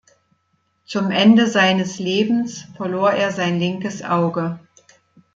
Zum Ende seines Lebens verlor er sein linkes Auge.